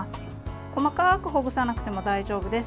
細かくほぐさなくても大丈夫です。